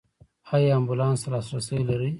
ایا امبولانس ته لاسرسی لرئ؟